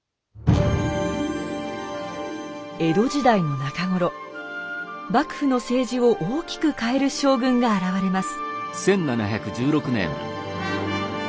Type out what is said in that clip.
江戸時代の中頃幕府の政治を大きく変える将軍が現れます。